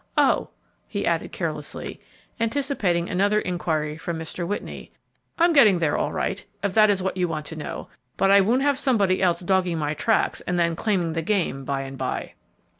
Oh," he added, carelessly, anticipating another inquiry from Mr. Whitney, "I'm getting there all right, if that is what you want to know; but I won't have somebody else dogging my tracks and then claiming the game by and by."